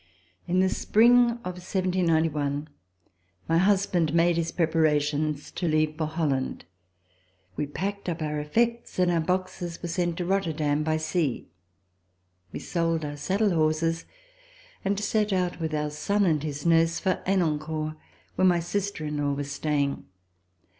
In the spring of 1791 my husband made his prep arations to leave for Holland. We packed up our effects, and our boxes were sent to Rotterdam by sea. We sold our saddle horses and set out with our son and his nurse for Henencourt where my sister in law was staying.